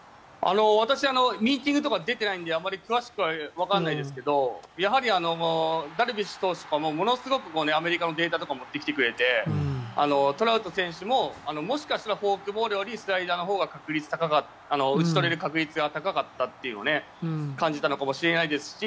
私、ミーティングとかに出てないのであまり詳しくはわからないですけどやはり、ダルビッシュ投手がものすごくアメリカのデータとか持ってきてくれてトラウト選手ももしかしたらフォークボールよりスライダーのほうが打ち取れる確率が高かったというのは感じたのかもしれないですし